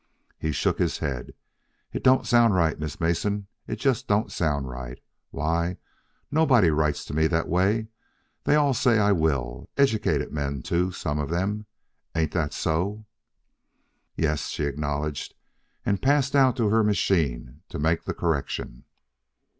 He shook his head. "It don't sound right, Miss Mason. It just don't sound right. Why, nobody writes to me that way. They all say I will educated men, too, some of them. Ain't that so?" "Yes," she acknowledged, and passed out to her machine to make the correction.